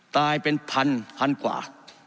ตายเป็นพันพันกว่า